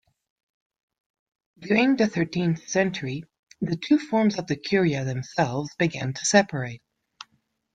During the thirteenth century the two forms of the "curia" themselves began to separate.